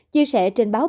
chia sẻ trên báo báo